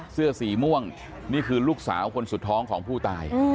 เสื้อสีม่วงนี่คือลูกสาวคนสุดท้องของผู้ตาย